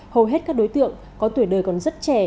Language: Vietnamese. hầu hết các đối tượng có tuổi đời còn rất trẻ